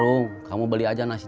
banget apa ini ada aurang panitan